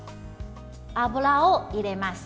油を入れます。